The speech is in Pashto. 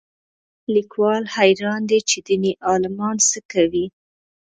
لیکوال حیران دی چې دیني عالمان څه کوي